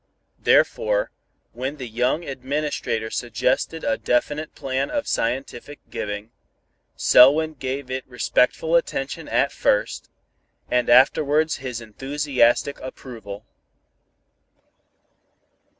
Therefore when the young Administrator suggested a definite plan of scientific giving, Selwyn gave it respectful attention at first, and afterwards his enthusiastic approval.